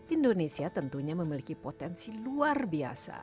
indonesia tentunya memiliki potensi luar biasa